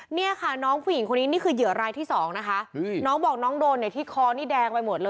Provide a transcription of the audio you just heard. เนี่ยค่ะน้องผู้หญิงคนนี้นี่คือเหยื่อรายที่สองนะคะน้องบอกน้องโดนเนี่ยที่คอนี่แดงไปหมดเลย